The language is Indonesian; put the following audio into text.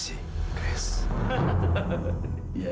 selamat naik sam